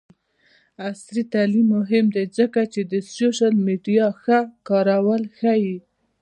عصري تعلیم مهم دی ځکه چې د سوشل میډیا ښه کارول ښيي.